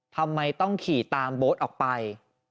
ทำไมต้องขี่ตามโบ๊ทออกไป